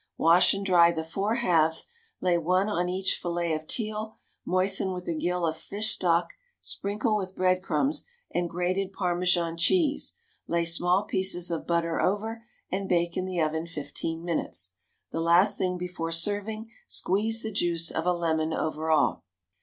Wash and dry the four halves, lay one on each fillet of teal, moisten with a gill of fish stock, sprinkle with bread crumbs and grated Parmesan cheese, lay small pieces of butter over, and bake in the oven fifteen minutes. The last thing before serving squeeze the juice of a lemon over all.